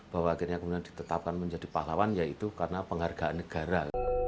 bahwa akhirnya aku ingin ditetapkan menjadi pahlawan ya itu karena penghargaan negara